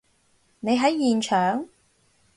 你喺現場？